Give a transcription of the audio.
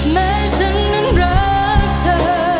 แม้ฉันนั้นรักเธอ